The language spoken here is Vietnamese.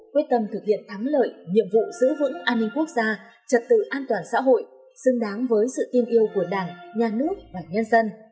quyết tâm thực hiện thắng lợi nhiệm vụ giữ vững an ninh quốc gia trật tự an toàn xã hội xứng đáng với sự tin yêu của đảng nhà nước và nhân dân